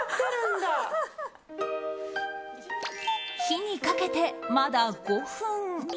火にかけてまだ５分。